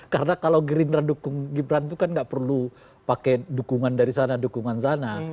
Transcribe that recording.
karena kalau gerindra dukung gibran itu kan tidak perlu pakai dukungan dari sana dukungan sana